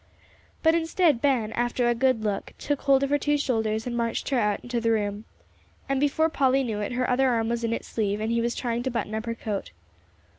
But instead, Ben, after a good look, took hold of her two shoulders and marched her out into the room. And before Polly knew it, her other arm was in its sleeve, and he was trying to button up her coat.